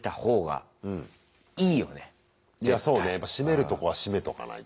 やっぱ締めるとこは締めとかないと。